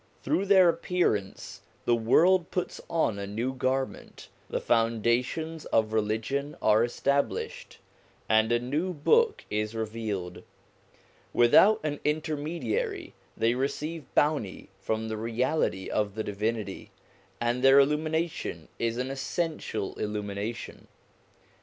Through their appearance the world puts on a new garment, the foundations of religion are established, and a new book is revealed. Without an intermediary they receive bounty from the Reality of the Divinity, and their illumination is an essential illumination.